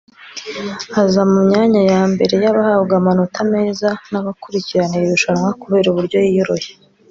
aza mu myanya ya mbere y’abahabwa amanota meza n’abakurikirana iri rushanwa kubera uburyo yiyoroshya